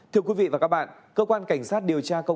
thưa quý vị và các bạn cơ quan cảnh sát điều tra